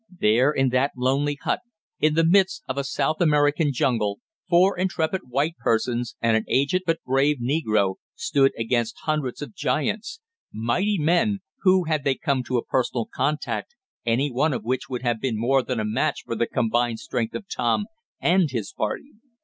There, in that lonely hut, in the midst of a South American jungle, four intrepid white persons, and an aged but brave negro, stood against hundreds of giants mighty men, who, had they come to a personal contact, any one of which would have been more than a match for the combined strength of Tom and his party.